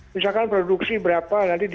misalkan produksi berapa nanti